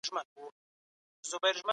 علمي پرمختګ د ټولني پر ژوند څه اغېز لري؟